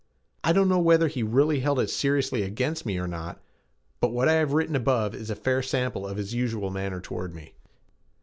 I don't know whether he really held it seriously against me or not, but what I have written above is a fair sample of his usual manner toward me.